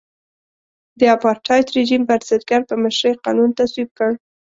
د اپارټایډ رژیم بنسټګر په مشرۍ قانون تصویب کړ.